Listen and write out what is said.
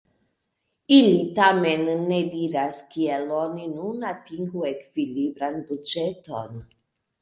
Ili tamen ne diras, kiel oni nun atingu ekvilibran buĝeton.